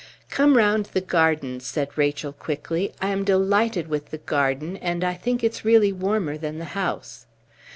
"Come round the garden," said Rachel, quickly. "I am delighted with the garden, and I think it's really warmer than the house."